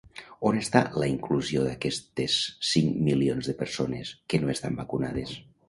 On està la inclusió d'aquestes cinc milions de persones que no estan vacunades?